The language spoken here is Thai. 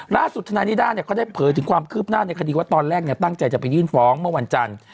ทนายนิด้าเนี่ยเขาได้เผยถึงความคืบหน้าในคดีว่าตอนแรกตั้งใจจะไปยื่นฟ้องเมื่อวันจันทร์